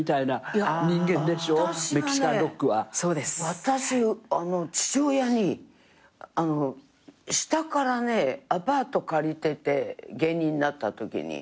私父親にあの下からねアパート借りてて芸人になったときに。